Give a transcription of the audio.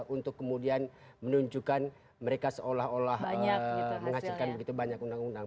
untuk kemudian menunjukkan mereka seolah olah menghasilkan begitu banyak undang undang